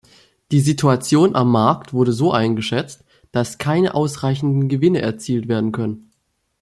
Die Situation am Markt wurde so eingeschätzt, dass keine ausreichenden Gewinne erzielt werden können.